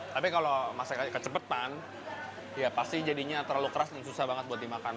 tapi kalau masaknya kecepatan ya pasti jadinya terlalu keras dan susah banget buat dimakan